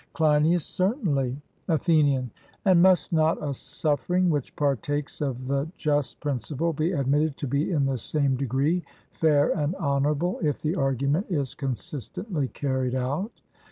CLEINIAS: Certainly. ATHENIAN: And must not a suffering which partakes of the just principle be admitted to be in the same degree fair and honourable, if the argument is consistently carried out?